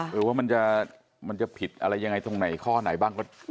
ว่ามันจะผิดอะไรยังไงตรงไหนข้อไหนบ้าง